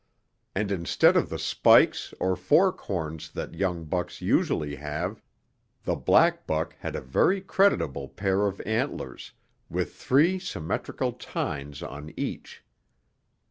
And instead of the spikes or fork horn that young bucks usually have, the black buck had a very creditable pair of antlers with three symmetrical tines on each.